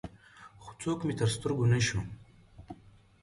خو څوک مې تر سترګو نه شو.